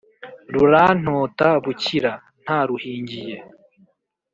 Rurantota bukira (ntaruhingiye)